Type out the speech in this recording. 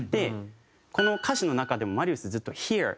この歌詞の中でもマリウスはずっと「Ｈｅｒｅ」